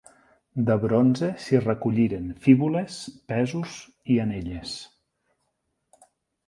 De bronze s'hi recolliren fíbules, pesos i anelles.